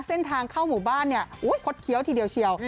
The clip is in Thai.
เส้นทางเข้าหมู่บ้านเนี่ยคดเคี้ยวทีเดียวเชียว